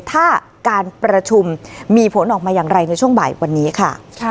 ถ้าการประชุมมีผลออกมาอย่างไรในช่วงบ่ายวันนี้ค่ะ